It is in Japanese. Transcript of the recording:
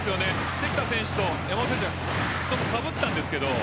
関田選手と山本選手がちょっとかぶったんですけど